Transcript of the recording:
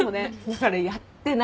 だからやってないから。